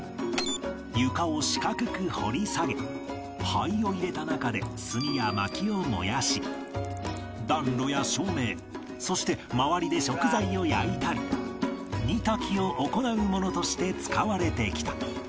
床を四角く掘り下げ灰を入れた中で炭や薪を燃やし暖炉や照明そして周りで食材を焼いたり煮炊きを行うものとして使われてきた